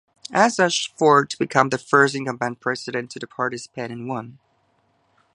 As such, Ford became the first incumbent president to participate in one.